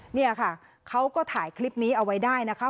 เนี่ยค่ะเขาก็ถ่ายคลิปนี้เอาไว้ได้นะคะ